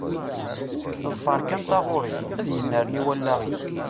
Ḍfeṛ kan taɣuṛi, ad yennerni wallaɣ-ik.